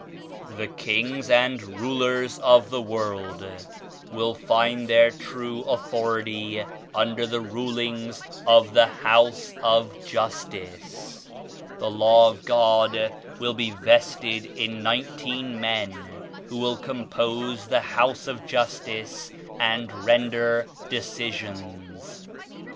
The kings and rulers of the world will find their true authority under the rulings of the House of Justice. The Law of God will be vested in nineteen men who will compose the liouse of Justice and render decisions.